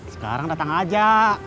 sekarang datang aja